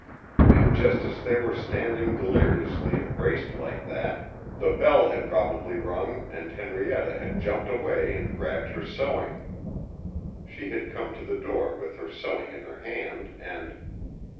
And just as they were standing deliriously embraced like that, the bell had probably rung and Henrietta had jumped away and grabbed her sewing. She had come to the door with her sewing in her hand and....